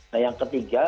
nah yang ketiga